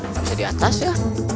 masih di atas ya